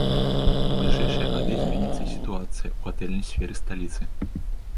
У бліжэйшыя гады зменіцца і сітуацыя ў гатэльнай сферы сталіцы.